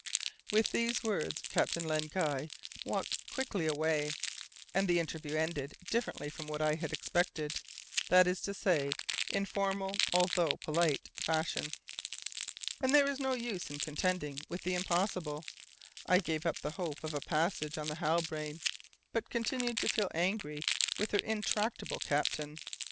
With these words Captain Len Guy walked quickly away, and the interview ended differently from what I had expected, that is to say in formal, although polite, fashion. As there is no use in contending with the impossible, I gave up the hope of a passage on the Halbrane, but continued to feel angry with her intractable captain.